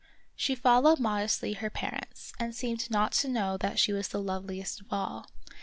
She followed modestly her parents, and seemed not to know that she was the loveliest of all.